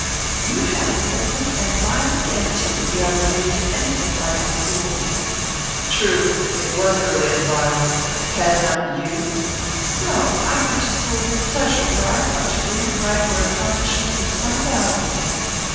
"'You have an old and a violent antipathy, I believe, to any thing like a school.' "'True. It was early and violent. Had not you?' "'No. I went to school with pleasure; for I thought to read and write were accomplishments of some value.'